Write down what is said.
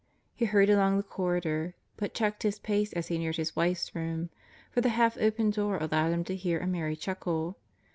He hurried along the corridor, but checked his pace as he neared his wife's room; for the half opened door allowed him to hear a merry chuckle.